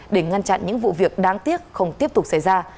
để ngăn chặn những vụ việc đáng tiếc không tiếp tục xảy ra